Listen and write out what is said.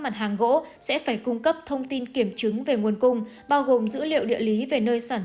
mặt hàng gỗ sẽ phải cung cấp thông tin kiểm chứng về nguồn cung bao gồm dữ liệu địa lý về nơi sản